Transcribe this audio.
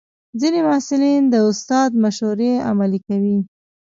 ځینې محصلین د استاد مشورې عملي کوي.